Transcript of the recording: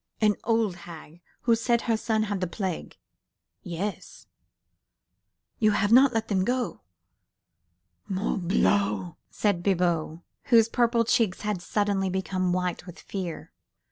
.." "An old hag who said her son had the plague?" "Yes ..." "You have not let them go?" "Morbleu!" said Bibot, whose purple cheeks had suddenly become white with fear.